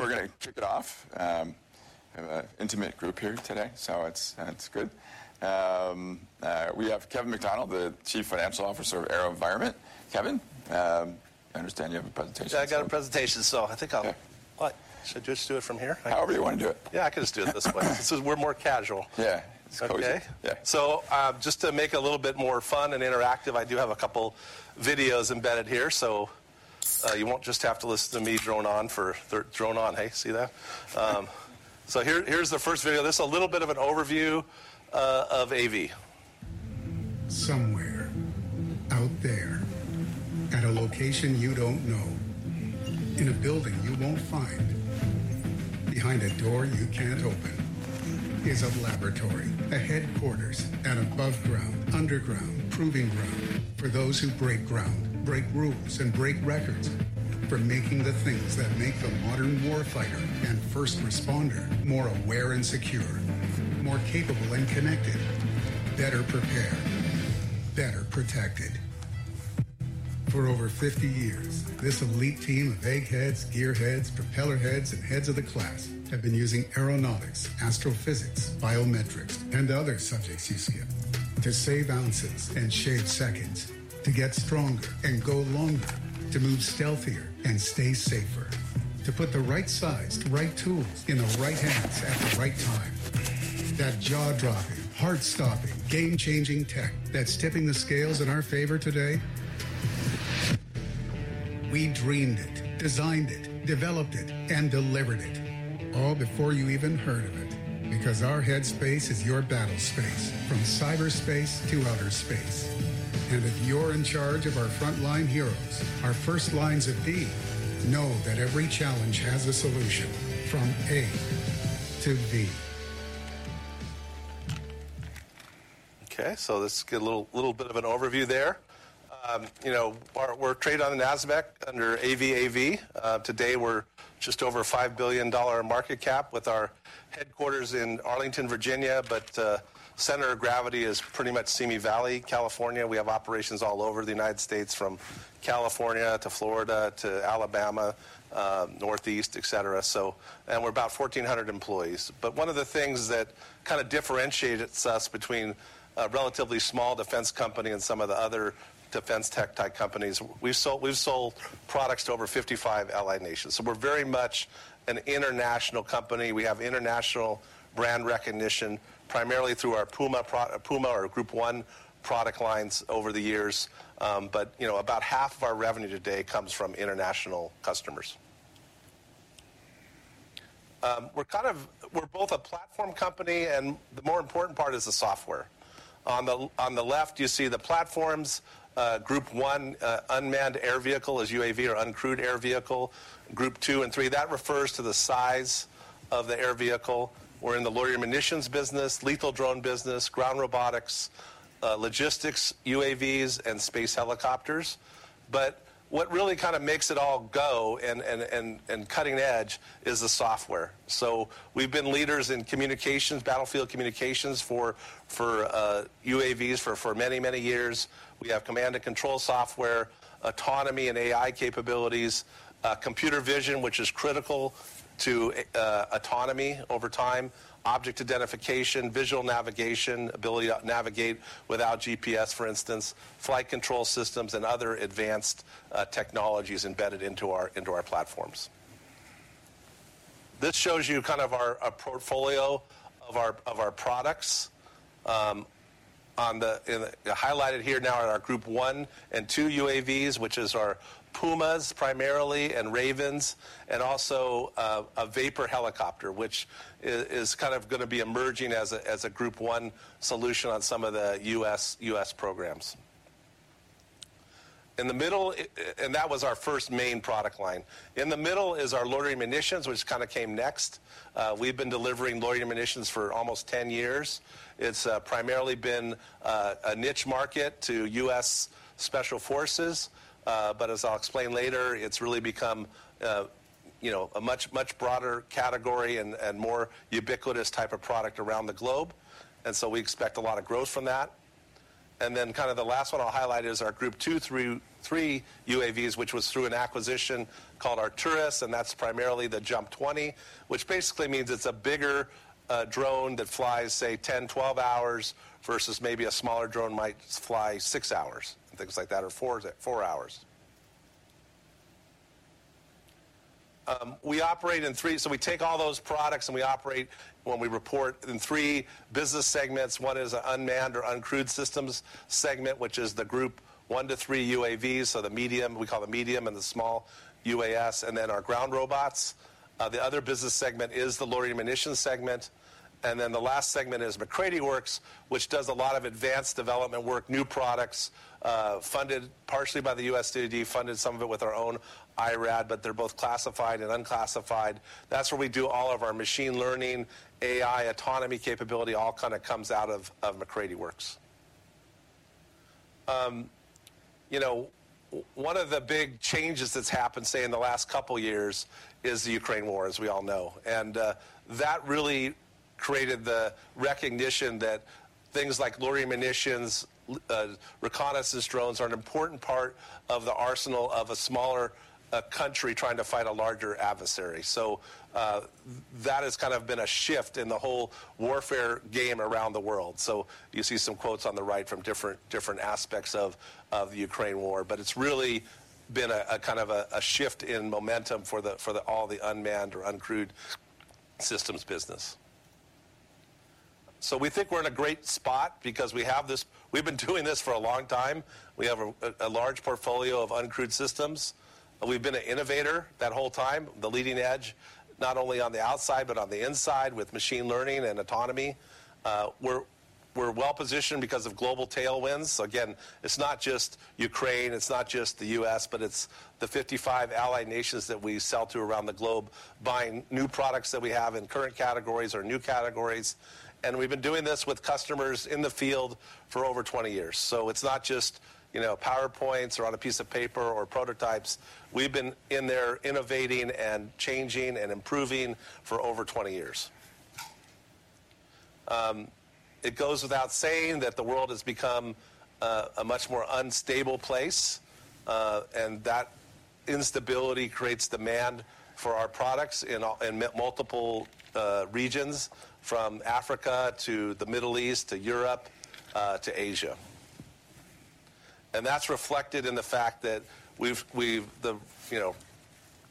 We're gonna kick it off. We have an intimate group here today, so it's, it's good. We have Kevin McDonnell, the Chief Financial Officer of AeroVironment. Kevin, I understand you have a presentation. Yeah, I got a presentation, so I think I'll- Yeah. What? Should I just do it from here? However you wanna do it. Yeah, I can just do it this way. So we're more casual. Yeah, it's cozy. Okay. Yeah. So, just to make it a little bit more fun and interactive, I do have a couple videos embedded here, so, you won't just have to listen to me droning on. Drone on. Hey, see that? So here, here's the first video. This is a little bit of an overview of AV. Somewhere out there, at a location you don't know, in a building you won't find, behind a door you can't open, is a laboratory, a headquarters, an above ground, underground proving ground for those who break ground, break rules, and break records. For making the things that make the modern warfighter and first responder more aware and secure, more capable and connected, better prepared, better protected. For over 50 years, this elite team of eggheads, gearheads, propeller heads, and heads of the class have been using aeronautics, astrophysics, biometrics, and other subjects you see here to save ounces and shave seconds, to get stronger and go longer, to move stealthier and stay safer, to put the right size, the right tools in the right hands at the right time. That jaw-dropping, heart-stopping, game-changing tech that's tipping the scales in our favor today, we dreamed it, designed it, developed it, and delivered it, all before you even heard of it. Because our headspace is your battle space, from cyberspace to outer space. If you're in charge of our frontline heroes, our first lines of defense, know that every challenge has a solution, from A to V. Okay, so let's get a little, little bit of an overview there. You know, our – we're traded on the Nasdaq under AVAV. Today we're just over $5 billion market cap with our headquarters in Arlington, Virginia, but center of gravity is pretty much Simi Valley, California. We have operations all over the United States, from California to Florida to Alabama, Northeast, et cetera. And we're about 1,400 employees. But one of the things that kind of differentiates us between a relatively small defense company and some of the other defense tech type companies, we've sold, we've sold products to over 55 allied nations, so we're very much an international company. We have international brand recognition, primarily through our Puma pro– Puma or Group 1 product lines over the years. But you know, about half of our revenue today comes from international customers. We're kind of a platform company, and the more important part is the software. On the left, you see the platforms, Group 1 unmanned air vehicle is UAV or uncrewed air vehicle. Group 2 and 3, that refers to the size of the air vehicle. We're in the loitering munitions business, lethal drone business, ground robotics, logistics, UAVs, and space helicopters. But what really kind of makes it all go and cutting edge is the software. So we've been leaders in communications, battlefield communications for UAVs for many, many years. We have command and control software, autonomy and AI capabilities, computer vision, which is critical to autonomy over time, object identification, visual navigation, ability to navigate without GPS, for instance, flight control systems and other advanced technologies embedded into our platforms. This shows you kind of a portfolio of our products. Highlighted here now are our Group 1 and 2 UAVs, which is our Pumas primarily, and Ravens, and also a Vapor helicopter, which is kind of gonna be emerging as a Group 1 solution on some of the U.S. programs. In the middle, and that was our first main product line. In the middle is our loitering munitions, which kind of came next. We've been delivering loitering munitions for almost 10 years. It's primarily been a niche market to U.S. Special Forces, but as I'll explain later, it's really become, you know, a much, much broader category and, and more ubiquitous type of product around the globe, and so we expect a lot of growth from that. Then kind of the last one I'll highlight is our Group 2, 3, 3 UAVs, which was through an acquisition called Arcturus, and that's primarily the JUMP 20, which basically means it's a bigger drone that flies, say, 10, 12 hours, versus maybe a smaller drone might fly 6 hours and things like that, or 4 hours. We operate in three. So we take all those products, and we operate, when we report, in three business segments. One is an unmanned or uncrewed systems segment, which is the Group 1 to 3 UAVs, so the medium, we call the medium and the small UAS, and then our ground robots. The other business segment is the loitering munitions segment. And then the last segment is MacCready Works, which does a lot of advanced development work, new products, funded partially by the U.S. DoD, funded some of it with our own IRAD, but they're both classified and unclassified. That's where we do all of our machine learning, AI, autonomy capability, all kind of comes out of MacCready Works. You know, one of the big changes that's happened, say, in the last couple of years is the Ukraine war, as we all know. And that really created the recognition that things like loitering munitions, reconnaissance drones are an important part of the arsenal of a smaller country trying to fight a larger adversary. So that has kind of been a shift in the whole warfare game around the world. So you see some quotes on the right from different, different aspects of, of the Ukraine war, but it's really been a, a kind of a, a shift in momentum for the, for the all the unmanned or uncrewed systems business. So we think we're in a great spot because we have this-- We've been doing this for a long time. We have a, a large portfolio of uncrewed systems. We've been an innovator that whole time, the leading edge, not only on the outside, but on the inside, with machine learning and autonomy. We're, we're well positioned because of global tailwinds. So again, it's not just Ukraine, it's not just the U.S., but it's the 55 allied nations that we sell to around the globe, buying new products that we have in current categories or new categories, and we've been doing this with customers in the field for over 20 years. So it's not just, you know, PowerPoints or on a piece of paper or prototypes. We've been in there innovating and changing and improving for over 20 years. It goes without saying that the world has become a much more unstable place, and that instability creates demand for our products in multiple regions, from Africa to the Middle East, to Europe, to Asia. And that's reflected in the fact that we've... You know,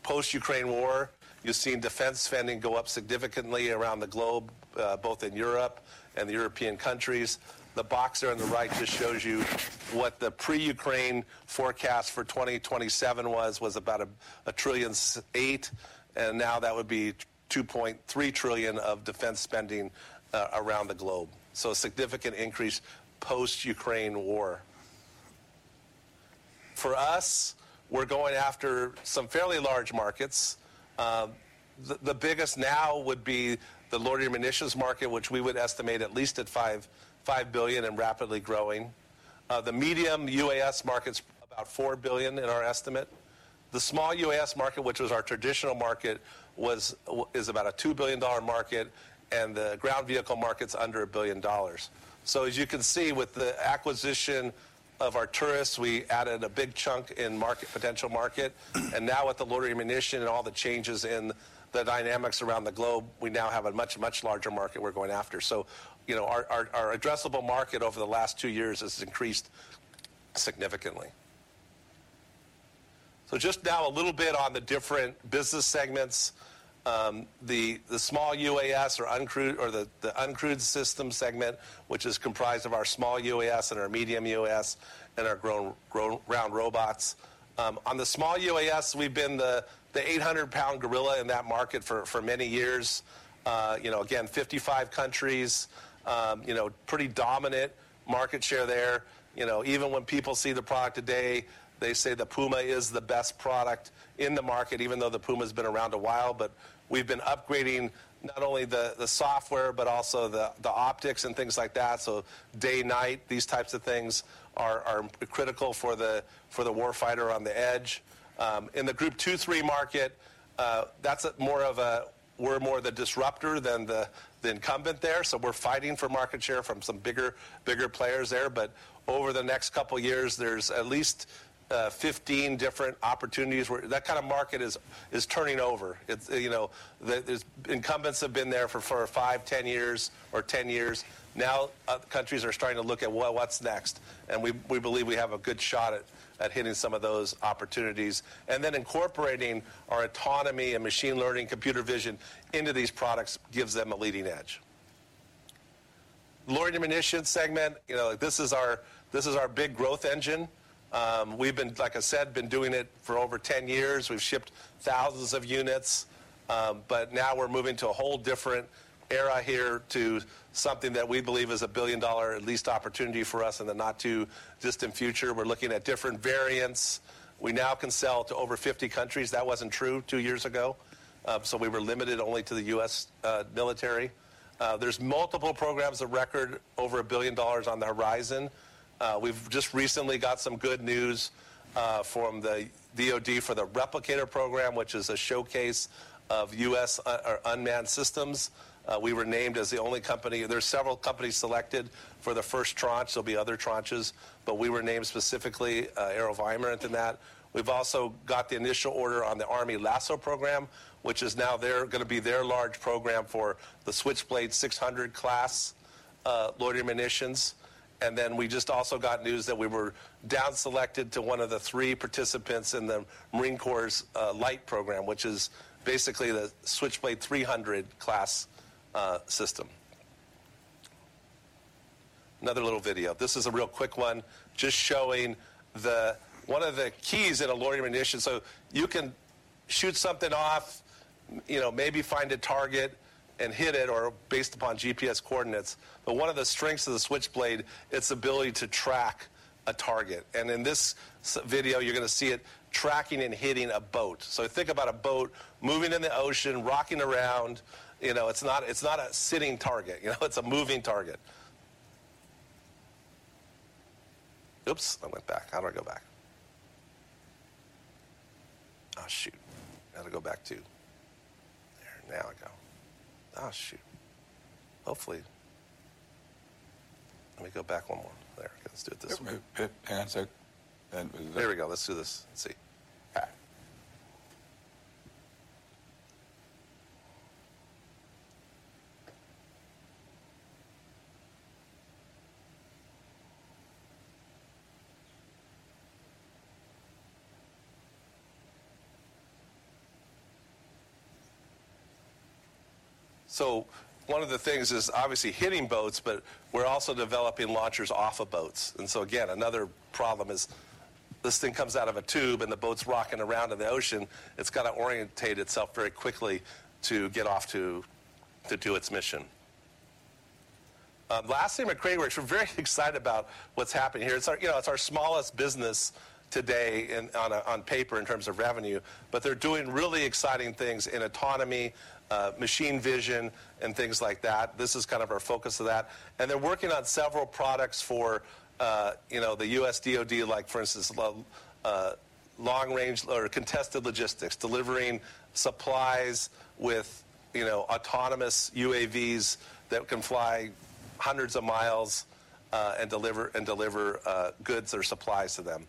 post-Ukraine war, you've seen defense spending go up significantly around the globe, both in Europe and the European countries. The box there on the right just shows you what the pre-Ukraine forecast for 2027 was, about $1.8 trillion, and now that would be $2.3 trillion of defense spending around the globe. So a significant increase post-Ukraine war. For us, we're going after some fairly large markets. The biggest now would be the loitering munitions market, which we would estimate at least at $5 billion and rapidly growing. The medium UAS market's about $4 billion in our estimate. The small UAS market, which was our traditional market, is about a $2 billion market, and the ground vehicle market's under $1 billion. So as you can see, with the acquisition of Arcturus, we added a big chunk in market, potential market. And now with the loitering munition and all the changes in the dynamics around the globe, we now have a much, much larger market we're going after. So, you know, our addressable market over the last 2 years has increased significantly. So just now, a little bit on the different business segments. The small UAS or uncrewed system segment, which is comprised of our small UAS and our medium UAS and our ground robots. On the small UAS, we've been the 800-pound gorilla in that market for many years. You know, again, 55 countries, you know, pretty dominant market share there. You know, even when people see the product today, they say the Puma is the best product in the market, even though the Puma's been around a while. But we've been upgrading not only the software, but also the optics and things like that. So day/night, these types of things are critical for the war fighter on the edge. In the Group 2, 3 market, that's more of a... We're more the disruptor than the incumbent there, so we're fighting for market share from some bigger players there. But over the next couple of years, there's at least 15 different opportunities where that kind of market is turning over. It's, you know, the, there's. Incumbents have been there for five, 10 years, or 10 years. Now, other countries are starting to look at, "Well, what's next?" We believe we have a good shot at hitting some of those opportunities. Then incorporating our autonomy and machine learning, computer vision into these products gives them a leading edge. Loitering munition segment, you know, this is our big growth engine. We've been, like I said, doing it for over 10 years. We've shipped thousands of units, but now we're moving to a whole different era here, to something that we believe is a billion-dollar, at least, opportunity for us in the not-too-distant future. We're looking at different variants. We now can sell to over 50 countries. That wasn't true 2 years ago. So we were limited only to the U.S. military. There's multiple programs of record, over $1 billion on the horizon. We've just recently got some good news from the DoD for the Replicator program, which is a showcase of U.S. unmanned systems. We were named as the only company. There are several companies selected for the first tranche. There'll be other tranches, but we were named specifically AeroVironment in that. We've also got the initial order on the Army LASSO program, which is now gonna be their large program for the Switchblade 600 class loitering munitions. And then we just also got news that we were down-selected to one of the three participants in the Marine Corps' Light program, which is basically the Switchblade 300 class system. Another little video. This is a real quick one, just showing one of the keys in a loitering munition. So you can shoot something off, you know, maybe find a target and hit it, or based upon GPS coordinates. But one of the strengths of the Switchblade, its ability to track a target, and in this video, you're gonna see it tracking and hitting a boat. So think about a boat moving in the ocean, rocking around. You know, it's not, it's not a sitting target, you know? It's a moving target. Oops, I went back. How do I go back? Oh, shoot! I gotta go back, too. There, now I go. Oh, shoot. Hopefully. Let me go back one more. There, let's do it this way. Here we go. Let's do this. Let's see. All right. So one of the things is obviously hitting boats, but we're also developing launchers off of boats. So again, another problem is this thing comes out of a tube, and the boat's rocking around in the ocean. It's gotta orientate itself very quickly to get off to do its mission. Lastly, MacCready Works, we're very excited about what's happening here. It's our, you know, it's our smallest business today in, on paper in terms of revenue, but they're doing really exciting things in autonomy, machine vision, and things like that. This is kind of our focus of that, and they're working on several products for, you know, the U.S. DoD, like for instance, long-range or contested logistics, delivering supplies with, you know, autonomous UAVs that can fly hundreds of miles, and deliver goods or supplies to them.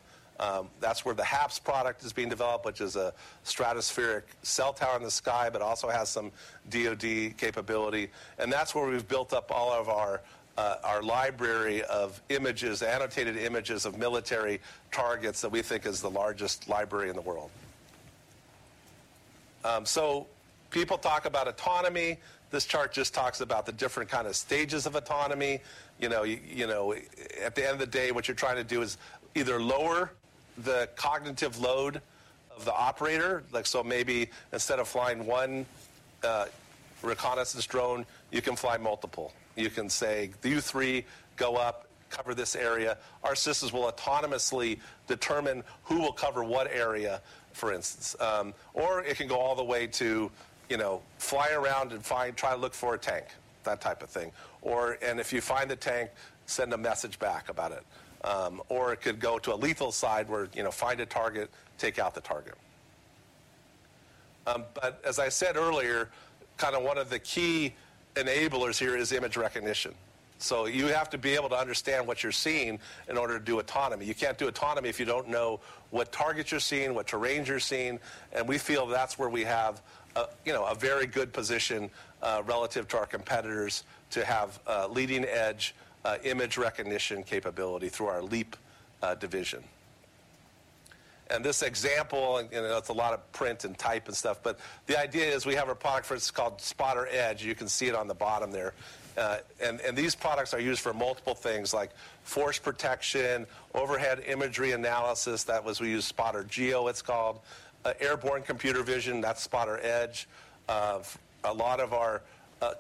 That's where the HAPS product is being developed, which is a stratospheric cell tower in the sky, but also has some DoD capability. That's where we've built up all of our library of images, annotated images of military targets that we think is the largest library in the world. So people talk about autonomy. This chart just talks about the different kind of stages of autonomy. You know, at the end of the day, what you're trying to do is either lower the cognitive load of the operator, like, so maybe instead of flying one reconnaissance drone, you can fly multiple. You can say, "You three, go up, cover this area." Our systems will autonomously determine who will cover what area, for instance. Or it can go all the way to, you know, fly around and find, try and look for a tank, that type of thing, or... And if you find the tank, send a message back about it. Or it could go to a lethal side where, you know, find a target, take out the target. But as I said earlier, kinda one of the key enablers here is image recognition. So you have to be able to understand what you're seeing in order to do autonomy. You can't do autonomy if you don't know what targets you're seeing, what terrain you're seeing, and we feel that's where we have a, you know, a very good position relative to our competitors to have a leading-edge image recognition capability through our Planck division or LEAP. And this example, and, you know, it's a lot of print and type and stuff, but the idea is we have a product for it. It's called Spotter Edge. You can see it on the bottom there. And these products are used for multiple things like force protection, overhead imagery analysis. That was Spotter Geo, it's called. Airborne computer vision, that's Spotter Edge. A lot of our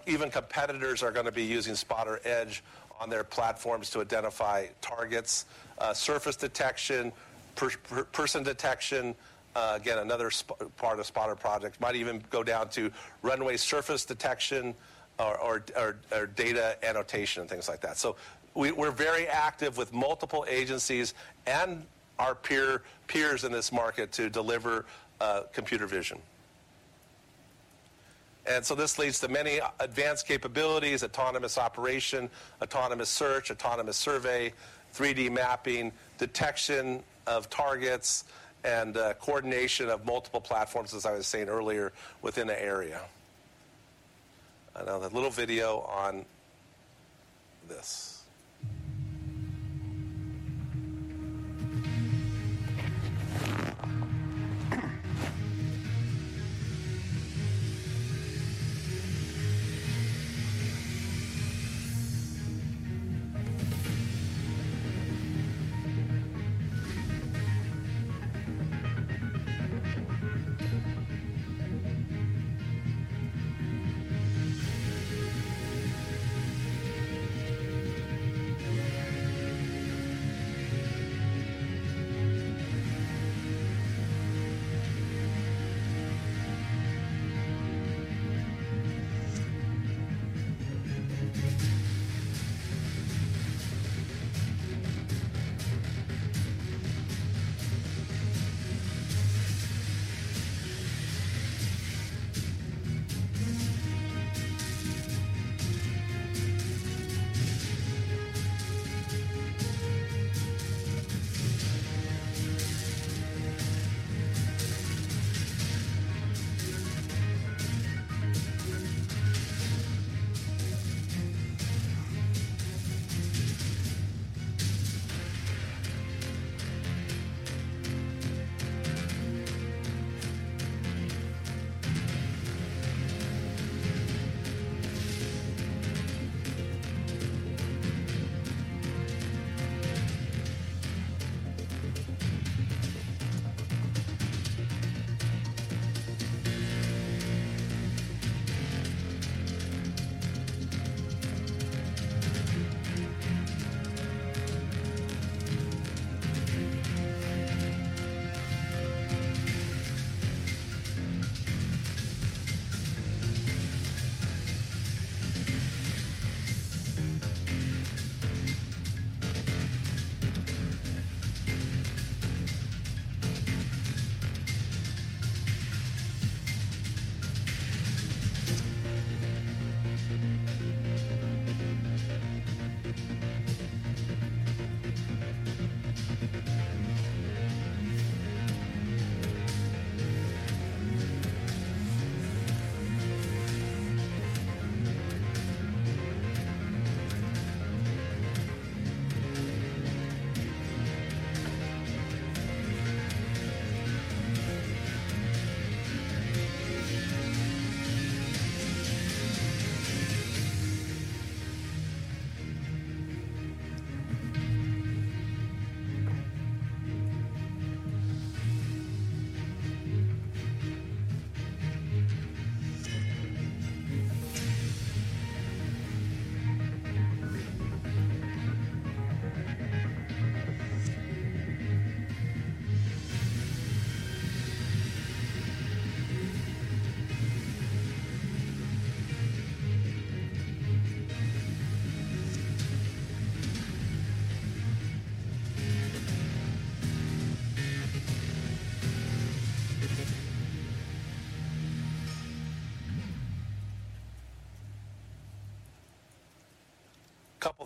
even competitors are gonna be using Spotter Edge on their platforms to identify targets, surface detection, person detection, again, another part of the Spotter project. Might even go down to runway surface detection or data annotation and things like that. So we're very active with multiple agencies and our peers in this market to deliver computer vision. This leads to many advanced capabilities: autonomous operation, autonomous search, autonomous survey, 3D mapping, detection of targets, and coordination of multiple platforms, as I was saying earlier, within an area. And now a little video on this.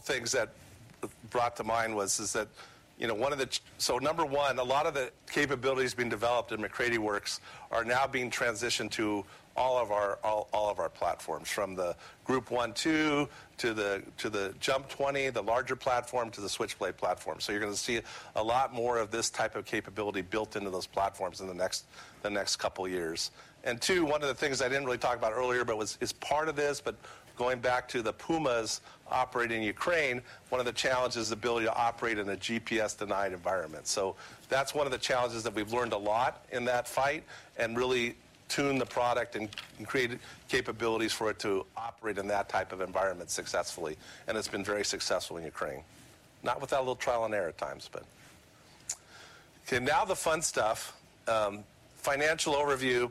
A couple things that brought to mind is that, you know, one of the— So number one, a lot of the capabilities being developed in MacCready Works are now being transitioned to all of our platforms, from the Group 1 to the JUMP 20, the larger platform, to the Switchblade platform. So you're gonna see a lot more of this type of capability built into those platforms in the next couple of years. And two, one of the things I didn't really talk about earlier, but was, is part of this, but going back to the Pumas operating in Ukraine, one of the challenges is the ability to operate in a GPS-denied environment. So that's one of the challenges that we've learned a lot in that fight and really tuned the product and, and created capabilities for it to operate in that type of environment successfully, and it's been very successful in Ukraine. Not without a little trial and error at times, but... Okay, now the fun stuff, financial overview.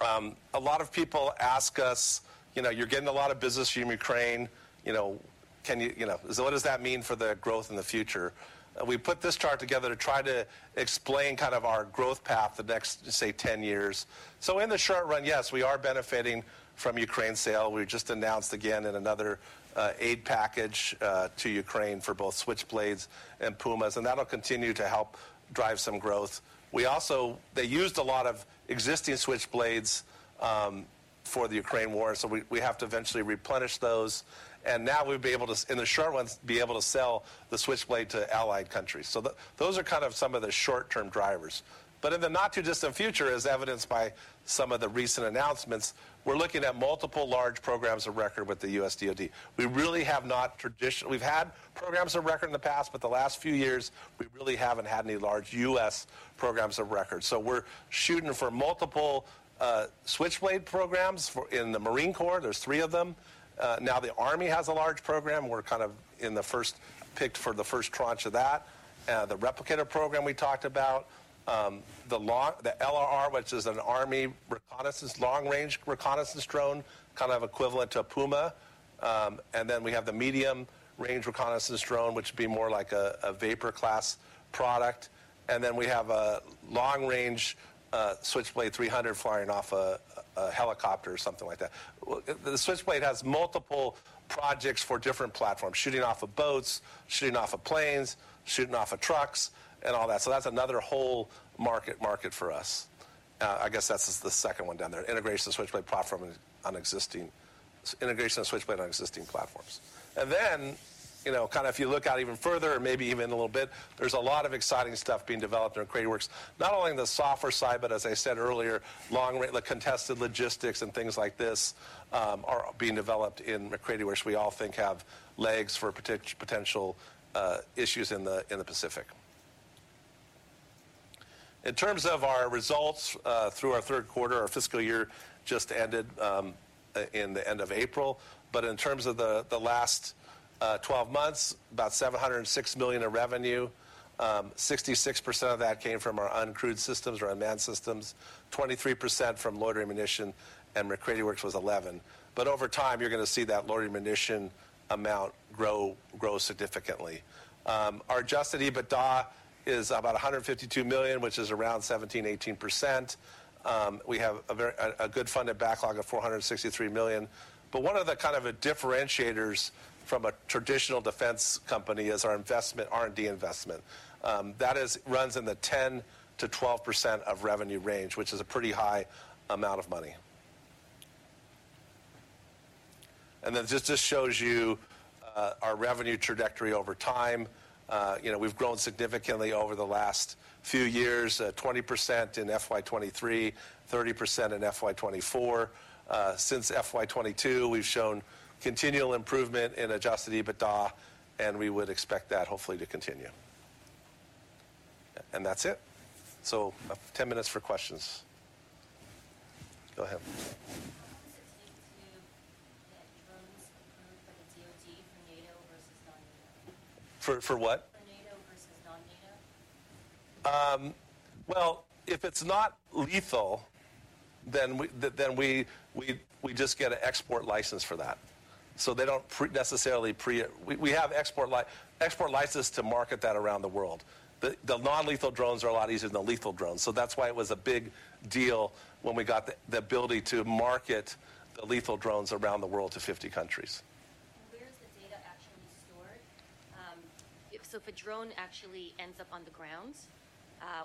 A lot of people ask us, "You know, you're getting a lot of business from Ukraine. You know, can you? You know, so what does that mean for the growth in the future?" We put this chart together to try to explain kind of our growth path the next, say, 10 years. So in the short run, yes, we are benefiting from Ukraine sale. We just announced again in another aid package to Ukraine for both Switchblades and Pumas, and that'll continue to help drive some growth. We also—They used a lot of existing Switchblades for the Ukraine war, so we have to eventually replenish those, and now we'll be able to, in the short run, be able to sell the Switchblade to allied countries. So those are kind of some of the short-term drivers. But in the not-too-distant future, as evidenced by some of the recent announcements, we're looking at multiple large programs of record with the U.S. DoD. We really have no tradition. We've had programs of record in the past, but the last few years, we really haven't had any large U.S. programs of record. So we're shooting for multiple Switchblade programs. In the Marine Corps, there's three of them. Now the Army has a large program. We're kind of in the first, picked for the first tranche of that. The Replicator program we talked about, the LRR, which is an Army reconnaissance, long-range reconnaissance drone, kind of equivalent to a Puma. And then we have the medium-range reconnaissance drone, which would be more like a Vapor class product. And then we have a long-range Switchblade 300 flying off a helicopter or something like that. Well, the Switchblade has multiple projects for different platforms, shooting off of boats, shooting off of planes, shooting off of trucks, and all that. So that's another whole market, market for us. I guess that's the second one down there, integration of Switchblade platform on existing-- integration of Switchblade on existing platforms. And then, you know, kind of if you look out even further or maybe even a little bit, there's a lot of exciting stuff being developed in MacCready Works, not only in the software side, but as I said earlier, long-range, the contested logistics and things like this, are being developed in MacCready Works, we all think have legs for potential, issues in the, in the Pacific. In terms of our results, through our third quarter, our fiscal year just ended, in the end of April. But in terms of the last 12 months, about $706 million of revenue, 66% of that came from our uncrewed systems or unmanned systems, 23% from loitering munitions, and MacCready Works was 11%. But over time, you're gonna see that loitering munitions amount grow, grow significantly. Our Adjusted EBITDA is about $152 million, which is around 17%-18%. We have a very, a, a good funded backlog of $463 million. But one of the kind of the differentiators from a traditional defense company is our investment, R&D investment. That is, runs in the 10%-12% of revenue range, which is a pretty high amount of money. And then this just shows you, our revenue trajectory over time. You know, we've grown significantly over the last few years, 20% in FY 2023, 30% in FY 2024. Since FY 2022, we've shown continual improvement in adjusted EBITDA, and we would expect that hopefully to continue. And that's it. So, 10 minutes for questions. Go ahead. What does it take to get drones approved for the DoD, for NATO versus non-NATO? For what? Well, if it's not lethal, then we just get an export license for that. So they don't necessarily pre... We have export license to market that around the world. The non-lethal drones are a lot easier than the lethal drones, so that's why it was a big deal when we got the ability to market the lethal drones around the world to 50 countries. Where is the data actually stored? If so, if a drone actually ends up on the ground,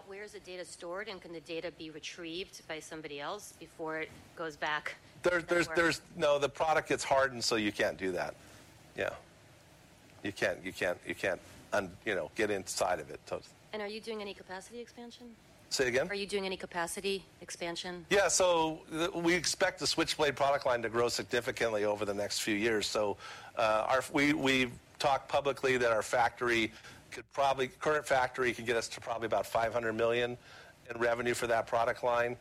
where is the data stored, and can the data be retrieved by somebody else before it goes back anywhere? No, the product gets hardened, so you can't do that. Yeah. You can't, you know, get inside of it, so. Are you doing any capacity expansion? Say again? Are you doing any capacity expansion? Yeah, so we expect the Switchblade product line to grow significantly over the next few years. So, we've talked publicly that our current factory could get us to probably about $500 million in revenue for that product line.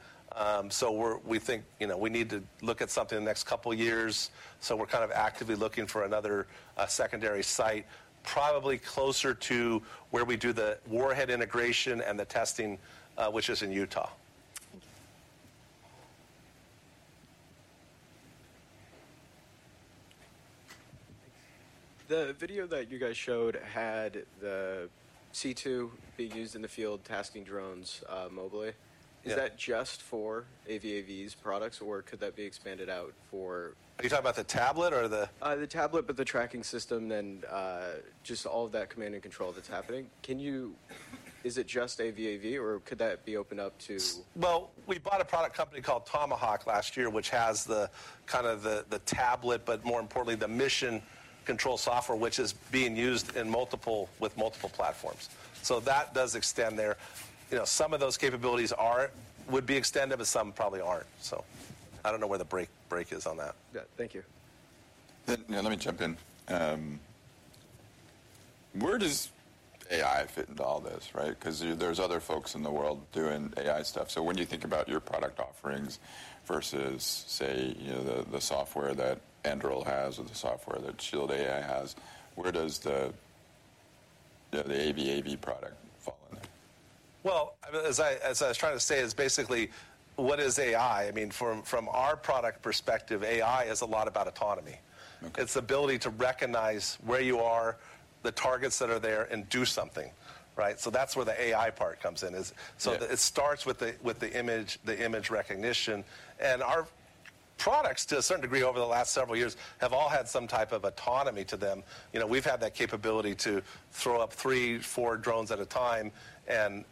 So, we think, you know, we need to look at something in the next couple years, so we're kind of actively looking for a secondary site, probably closer to where we do the warhead integration and the testing, which is in Utah. Thank you. The video that you guys showed had the C2 being used in the field, tasking drones, mobily. Yeah. Is that just for AVAV's products, or could that be expanded out for? Are you talking about the tablet or the- The tablet, but the tracking system and just all of that command and control that's happening. Can you... Is it just AVAV, or could that be opened up to- Well, we bought a product company called Tomahawk last year, which has kind of the tablet, but more importantly, the mission control software, which is being used with multiple platforms. So that does extend there. You know, some of those capabilities would be extended, but some probably aren't. So I don't know where the break is on that. Yeah. Thank you. Now let me jump in. Where does AI fit into all this, right? 'Cause there's other folks in the world doing AI stuff. So when you think about your product offerings versus, say, you know, the software that Anduril has or the software that Shield AI has, where does the AVAV product fall in there? Well, as I was trying to say, is basically, what is AI? I mean, from our product perspective, AI is a lot about autonomy. Okay. Its ability to recognize where you are, the targets that are there, and do something, right? So that's where the AI part comes in, is- Yeah. So it starts with the image recognition. And our products, to a certain degree over the last several years, have all had some type of autonomy to them. You know, we've had that capability to throw up three, four drones at a time and,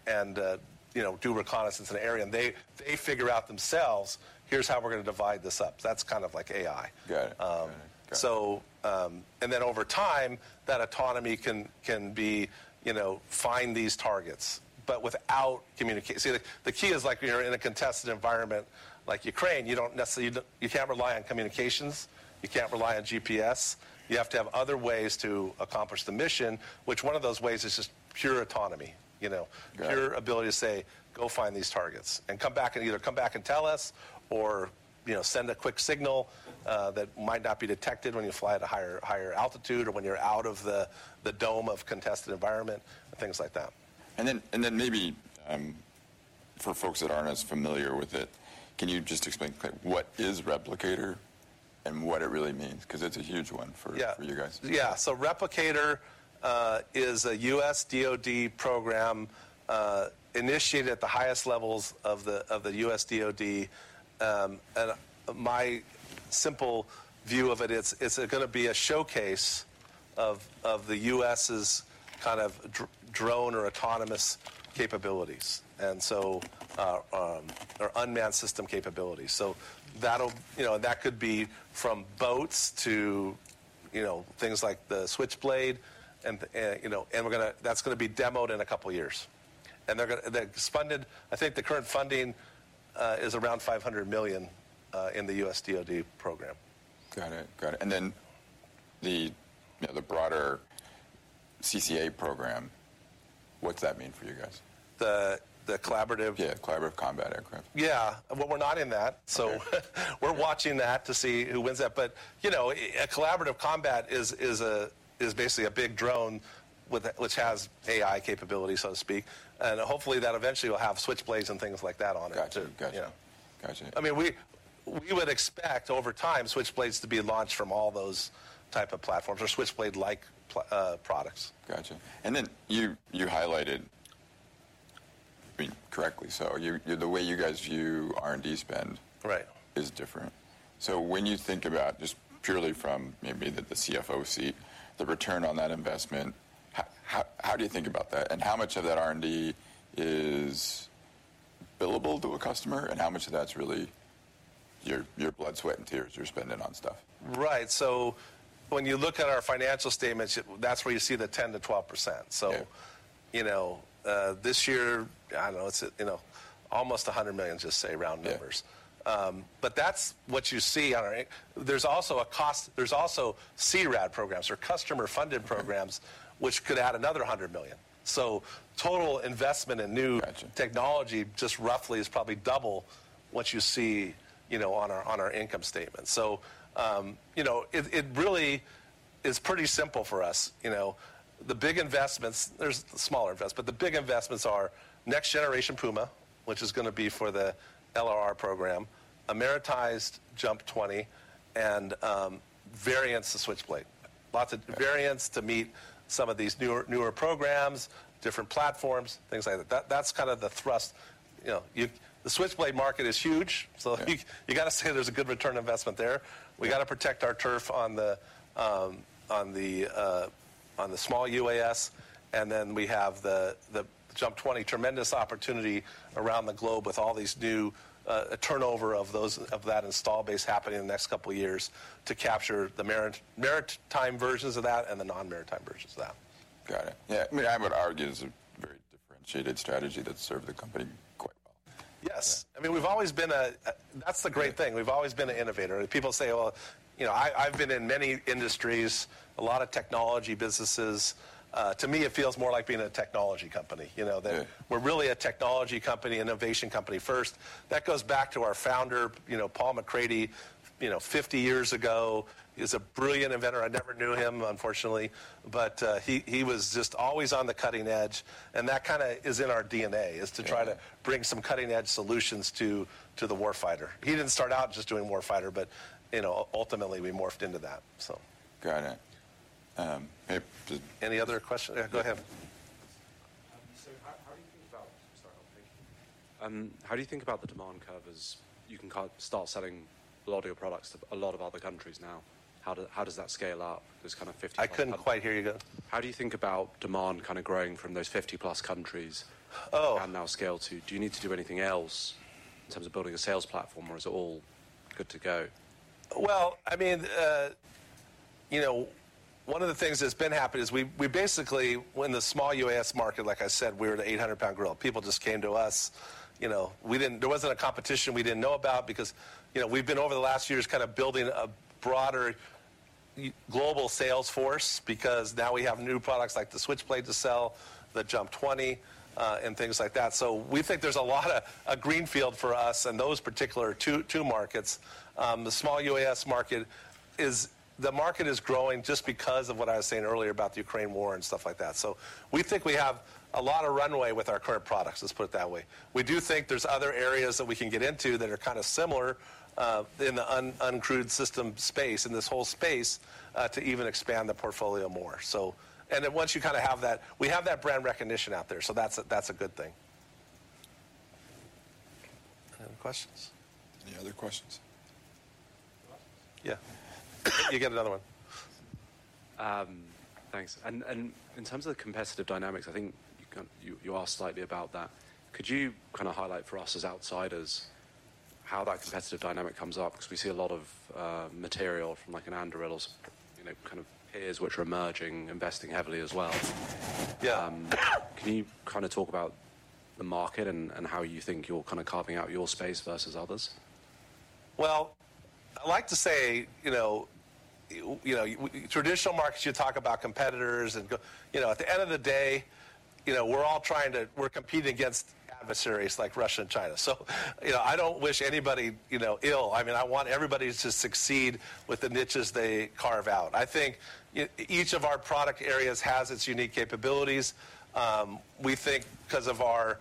you know, do reconnaissance in an area. And they figure out themselves, "Here's how we're gonna divide this up." That's kind of like AI. Got it. Um- Got it. And then over time, that autonomy can be, you know, find these targets, but without communication—see, the key is, like, when you're in a contested environment like Ukraine, you don't necessarily, you can't rely on communications. You can't rely on GPS. You have to have other ways to accomplish the mission, which one of those ways is just pure autonomy. You know? Got it. Pure ability to say, "Go find these targets, and come back and either come back and tell us, or, you know, send a quick signal that might not be detected when you fly at a higher, higher altitude, or when you're out of the dome of contested environment," and things like that. And then maybe, for folks that aren't as familiar with it, can you just explain quickly, what is Replicator and what it really means? 'Cause it's a huge one for- Yeah For you guys. Yeah. So Replicator is a US DoD program initiated at the highest levels of the, of the US DoD. And my simple view of it is, it's gonna be a showcase of, of the US's kind of drone or autonomous capabilities, and so, or unmanned system capabilities. So that'll, you know, that could be from boats to, you know, things like the Switchblade and, and, you know, and we're gonna, that's gonna be demoed in a couple of years. And they're gonna, they've funded, I think the current funding is around $500 million in the US DoD program. Got it, got it. And then the, you know, the broader CCA program, what's that mean for you guys? The collaborative? Yeah, Collaborative Combat Aircraft. Yeah. Well, we're not in that. Okay. So we're watching that to see who wins that. But, you know, a Collaborative Combat is a basically a big drone with which has AI capability, so to speak. And hopefully, that eventually will have Switchblades and things like that on it too. Gotcha. Gotcha. Yeah. Gotcha. I mean, we would expect over time, Switchblades to be launched from all those type of platforms or Switchblade-like products. Gotcha. And then you highlighted, I mean, correctly so, the way you guys view R&D spend- Right Is different. So when you think about, just purely from maybe the CFO seat, the return on that investment, how do you think about that? And how much of that R&D is billable to a customer, and how much of that's really your blood, sweat, and tears you're spending on stuff? Right. So when you look at our financial statements, that's where you see the 10%-12%. Yeah. You know, this year, I don't know, it's, you know, almost $100 million, just say round numbers. Yeah. But that's what you see on our in-. There's also a cost. There's also CRAD programs or customer-funded programs- Mm-hmm Which could add another $100 million. So total investment in new- Gotcha... technology, just roughly, is probably double what you see, you know, on our income statement. So, you know, it's pretty simple for us. You know, the big investments, there's smaller investments, but the big investments are next generation Puma, which is gonna be for the LRR program, a militarized JUMP 20, and variants to Switchblade. Lots of variants to meet some of these newer programs, different platforms, things like that. That's kind of the thrust. You know, the Switchblade market is huge, so you gotta say there's a good return on investment there. We gotta protect our turf on the small UAS, and then we have the JUMP 20. Tremendous opportunity around the globe with all these new turnover of that install base happening in the next couple of years to capture the maritime versions of that and the non-maritime versions of that. Got it. Yeah, I mean, I would argue it's a very differentiated strategy that's served the company quite well. Yes. Yeah. I mean, we've always been a. That's the great thing, we've always been an innovator, and people say, well, you know, I, I've been in many industries, a lot of technology businesses. To me, it feels more like being in a technology company, you know? Yeah. That we're really a technology company, innovation company first. That goes back to our founder, you know, Paul MacCready, you know, 50 years ago. He's a brilliant inventor. I never knew him, unfortunately, but he was just always on the cutting edge, and that kinda is in our DNA- Yeah Is to try to bring some cutting-edge solutions to the warfighter. He didn't start out just doing warfighter but, you know, ultimately, we morphed into that, so. Got it. If the- Any other question? Yeah, go ahead. So, how do you think about the demand curve as you can kind of start selling a lot of your products to a lot of other countries now? How does that scale up, this kind of 50+- I couldn't quite hear you there. How do you think about demand kind of growing from those 50-plus countries? Oh! and now scale to... Do you need to do anything else in terms of building a sales platform, or is it all good to go? Well, I mean, you know, one of the things that's been happening is we basically, we're in the small UAS market, like I said, we're the 800-pound gorilla. People just came to us. You know, there wasn't a competition we didn't know about because, you know, we've been, over the last years, kind of building a broader global sales force because now we have new products like the Switchblade to sell, the JUMP 20, and things like that. So we think there's a lot of a greenfield for us in those particular two markets. The small UAS market is... The market is growing just because of what I was saying earlier about the Ukraine war and stuff like that. So we think we have a lot of runway with our current products, let's put it that way. We do think there's other areas that we can get into that are kind of similar in the uncrewed system space, in this whole space, to even expand the portfolio more, so. And then once you kind of have that, we have that brand recognition out there, so that's a good thing. Any questions? Any other questions? Yeah. You get another one. Thanks. And in terms of the competitive dynamics, I think you kind of asked slightly about that. Could you kind of highlight for us, as outsiders, how that competitive dynamic comes up? Because we see a lot of material from, like, Anduril or, you know, kind of peers which are emerging, investing heavily as well. Yeah. Can you kind of talk about the market and how you think you're kind of carving out your space versus others? Well, I like to say, you know, you know, traditional markets, you talk about competitors and go... You know, at the end of the day, you know, we're all trying to. We're competing against adversaries like Russia and China. So, you know, I don't wish anybody, you know, ill. I mean, I want everybody to succeed with the niches they carve out. I think each of our product areas has its unique capabilities. We think 'cause of our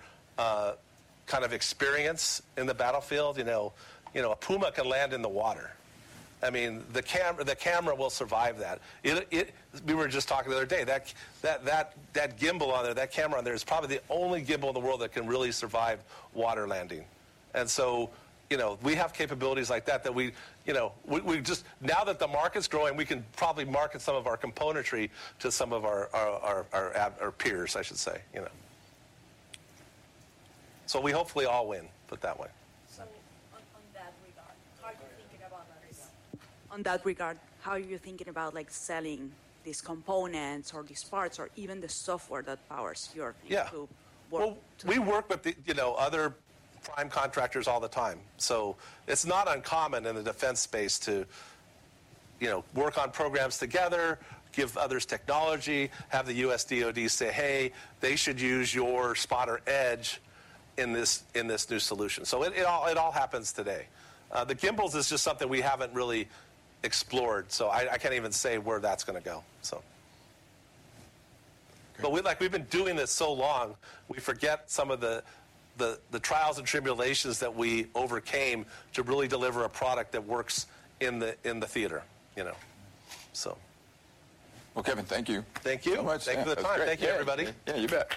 kind of experience in the battlefield, you know, you know, a Puma can land in the water. I mean, the camera will survive that. We were just talking the other day, that gimbal on there, that camera on there is probably the only gimbal in the world that can really survive water landing. And so, you know, we have capabilities like that that we, you know, we've just... Now that the market's growing, we can probably market some of our componentry to some of our peers, I should say, you know. So we hopefully all win, put it that way. So on that regard, how are you thinking about others? On that regard, how are you thinking about, like, selling these components or these parts or even the software that powers your- Yeah People to work? Well, we work with the, you know, other prime contractors all the time. So it's not uncommon in the defense space to, you know, work on programs together, give others technology, have the U.S. DoD say, "Hey, they should use your Spotter Edge in this, in this new solution." So it, it all, it all happens today. The gimbals is just something we haven't really explored, so I, I can't even say where that's gonna go, so. Great. We, like, we've been doing this so long, we forget some of the trials and tribulations that we overcame to really deliver a product that works in the theater, you know? So. Well, Kevin, thank you. Thank you. Very much. Thank you for the time. That's great. Thank you, everybody. Yeah, you bet.